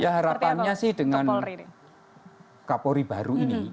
ya harapannya sih dengan kapolri baru ini